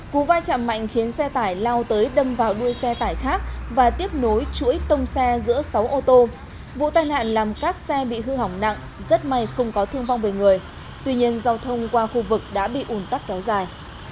cú va chạm mạnh khiến xe tải lao tới đâm vào đuôi xe tải khác và tiếp nối chuỗi tông xe giữa sáu ô tô vụ tai nạn làm các xe bị hư hỏng nặng rất may không có thương vong về người tuy nhiên giao thông qua khu vực đã bị ủn tắc kéo dài